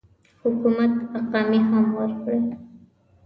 حکومت اقامې هم ورکړي.